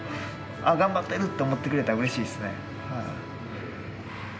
頑張ってると思ってくれたらうれしいですね。